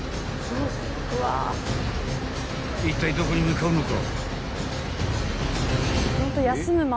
［いったいどこに向かうのか］